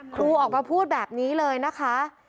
ครูออกมาพูดแบบนี้เลยนะคะ